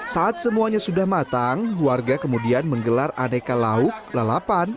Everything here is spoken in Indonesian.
saat semuanya sudah matang warga kemudian menggelar aneka lauk lalapan